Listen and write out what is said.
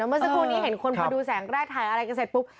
เมื่อสักครู่นี้เห็นคนพอดูแสงแรกถ่ายอะไรกันเสร็จปุ๊บ